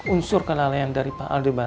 unsur kelalaian dari pak aldi